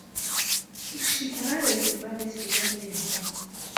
Ur cikkeɣ ara Yuba d asegbar yelhan.